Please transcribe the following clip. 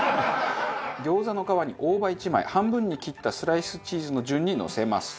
餃子の皮に大葉１枚半分に切ったスライスチーズの順にのせます。